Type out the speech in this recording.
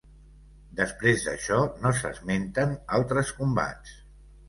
Després d'això no s'esmenten altres combats.